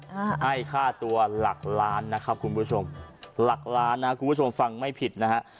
ให้ค่าตัวหลักล้านนะครับคุณผู้ชมหลักล้านนะคุณผู้ชมฟังไม่ผิดนะฮะ